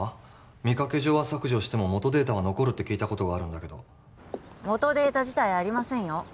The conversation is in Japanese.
見かけ上は削除しても元データは残るって聞いたことがあるんだけど元データ自体ありませんよ